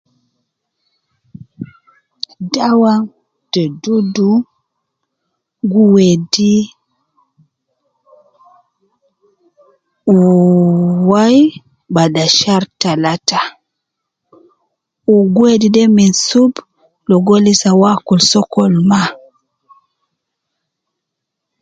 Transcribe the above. Dawa te dudu gi wedi wu, wayi bada shar talata , wu gi wedi de minsub logo lisa uwo akul sokol mma.